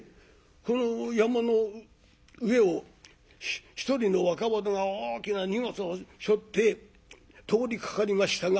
この山の上を一人の若者が大きな荷物をしょって通りかかりましたが。